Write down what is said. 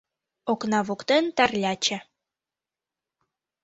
Окна воктен Тарляче